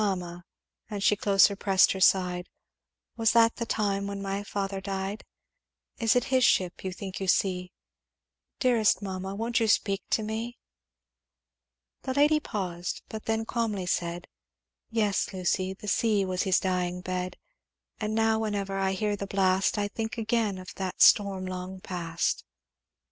"'Mamma' and she closer pressed her side, 'Was that the time when my father died? Is it his ship you think you see? Dearest mamma won't you speak to me?' "The lady paused, but then calmly said, 'Yes, Lucy the sea was his dying bed, And now whenever I hear the blast I think again of that storm long past.